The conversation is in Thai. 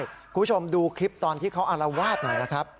คุณผู้ชมดูคลิปตอนที่เขาอารวาสหน่อยนะครับ